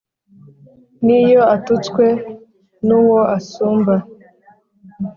n'iyo atutswe n'uwo asumba